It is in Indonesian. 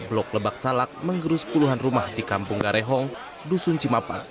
blok lebak salak menggerus puluhan rumah di kampung garehong dusun cimapa